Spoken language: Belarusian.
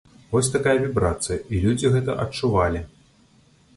Вось такая вібрацыя і людзі гэта адчувалі!